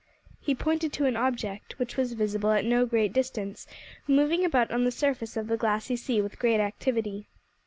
He pointed to an object, which was visible at no great distance, moving about on the surface of the glassy sea with great activity.